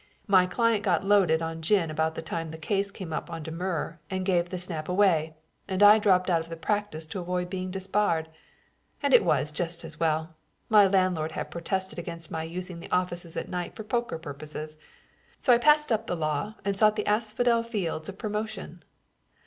My client got loaded on gin about the time the case came up on demurrer and gave the snap away, and I dropped out of the practice to avoid being disbarred. And it was just as well. My landlord had protested against my using the office at night for poker purposes, so I passed up the law and sought the asphodel fields of promotion.